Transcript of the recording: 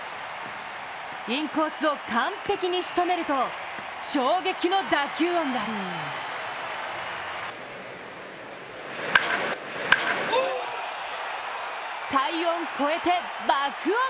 インコースを完璧に仕留めると衝撃の打球音が快音超えて、爆音！